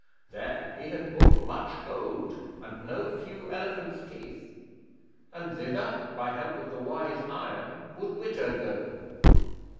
There had he bought much gold, and no few elephants' teeth, and thither by help of the Wise Iron would Witta go.